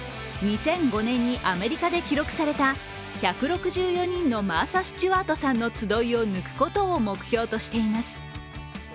２００５年にアメリカで記録された１６４人のマーサ・スチュワートさんの集いを抜くことを目標としています。